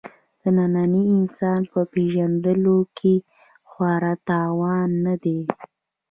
د ننني انسان په پېژندلو کې خورا ناتوانه دی.